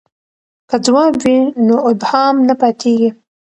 که ځواب وي نو ابهام نه پاتیږي.